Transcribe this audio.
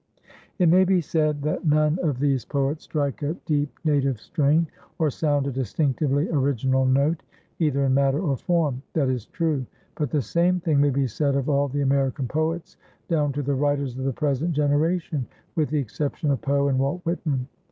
It may be said that none of these poets strike a deep native strain or sound a distinctively original note, either in matter or form. That is true; but the same thing may be said of all the American poets down to the writers of the present generation, with the exception of Poe and Walt Whitman.